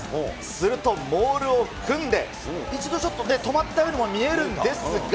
すると、モールを組んで、一度ちょっと止まったようにも見えるんですが。